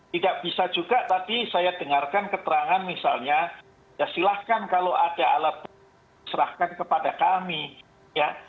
tidak bisa juga tadi saya dengarkan keterangan misalnya ya silahkan kalau ada alat bukti serahkan kepada kami ya